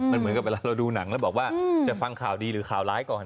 มันเหมือนกับเวลาเราดูหนังแล้วบอกว่าจะฟังข่าวดีหรือข่าวร้ายก่อน